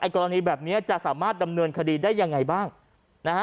กรณีแบบนี้จะสามารถดำเนินคดีได้ยังไงบ้างนะฮะ